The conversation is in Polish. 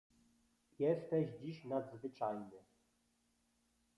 "Jesteś dziś nadzwyczajny."